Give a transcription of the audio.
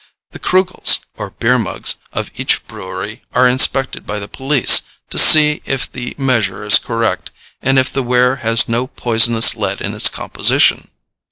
The krügls, or beer mugs, of each brewery are inspected by the police, to see if the measure is correct, and if the ware has no poisonous lead in its composition.